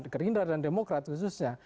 geringdar dan demokrat khususnya